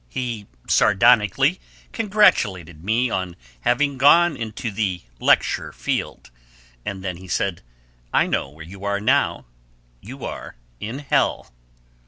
He sardonically congratulated me on having gone into "the lecture field," and then he said: "I know where you are now. You are in hell."